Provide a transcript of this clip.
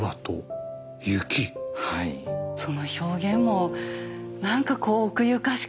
その表現も何かこう奥ゆかしくて。